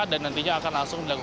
dan nantinya akan langsung dilakukan